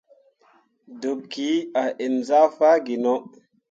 Debki a ǝn zah faa gino.